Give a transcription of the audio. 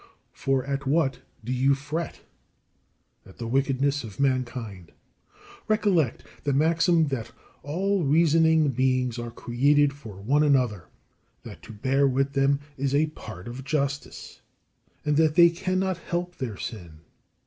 For at what do you fret? At the wickedness of mankind. Recollect the maxim that all reasoning beings are created for one another, that to bear with them is a part of justice, and that they cannot help their sin.